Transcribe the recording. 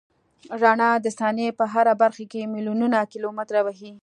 رڼا د ثانیې په هره برخه کې میلیونونه کیلومتره وهي.